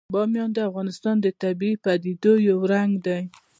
بامیان د افغانستان د طبیعي پدیدو یو رنګ دی.